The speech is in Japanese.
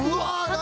何？